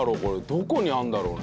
どこにあるんだろうね？